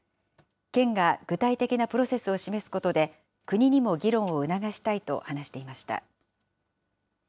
県が具体的なプロセスを示すことで、国にも議論を促したいと話していました。